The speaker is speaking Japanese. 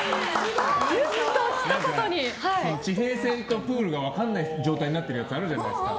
地平線とプールが分からない状態になってるやつあるじゃないですか。